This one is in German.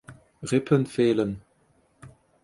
Rippen fehlen.